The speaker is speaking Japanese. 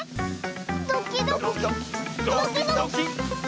ドキドキドキドキ。